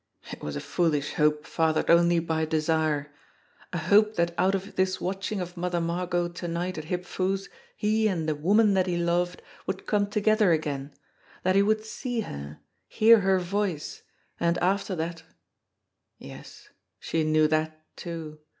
It was a foolish hope fathered only by desire! A hope that out of this watching of Mother Margot to night at Hip Foo's he and the woman that he loved would come together again, that he would see her, hear her voice, and after that Yes, she knew that, too!